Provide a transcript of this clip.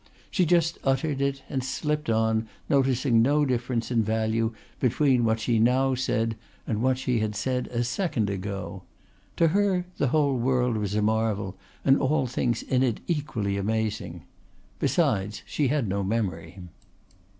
She just uttered it and slipped on, noticing no difference in value between what she now said and what she had said a second ago. To her the whole world was a marvel and all things in it equally amazing. Besides she had no memory.